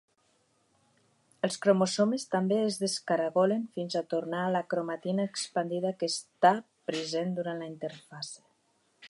Els cromosomes també es descaragolen fins a tornar a la cromatina expandida que està present durant la interfase.